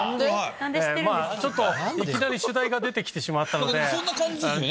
ちょっといきなり主題が出て来てしまったので。